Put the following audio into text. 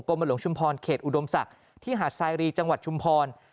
หลวงชุมพรเขตอุดมศักดิ์ที่หาดสายรีจังหวัดชุมพร